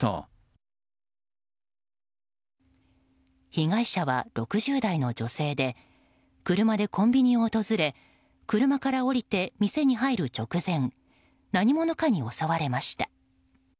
被害者は、６０代の女性で車でコンビニを訪れ車から降りて店に入る直前何者かに襲われました。